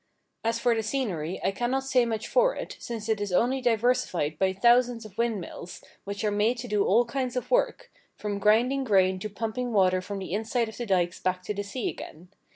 As for the scenery I cannot say much for it, since it is only diversified by thousands of windmills, which are made to do all kinds of work, from grinding grain to pumping water from the inside of the dykes back to the sea again.